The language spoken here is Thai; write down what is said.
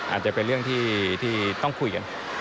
อาจจะเป็นเรื่องที่ต้องคุยกัน